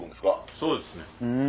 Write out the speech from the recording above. そうですね。